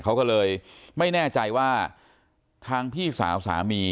เขาก็เลยไม่แน่ใจว่าทางพี่สาวสามี